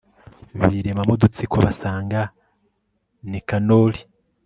biremamo udutsiko basanga nikanori